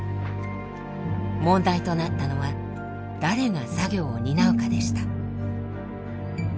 問題となったのは誰が作業を担うかでした。